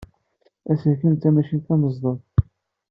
Aselkim d tamacint tameẓdut.